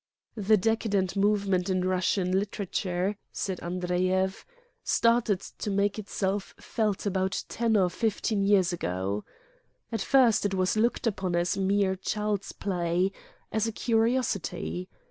"The decadent movement in Russian litera ture/' said Andreyev, "started to make itself felt about ten or fifteen years ago. At first it was looked upon as mere child's play, as a curiosity.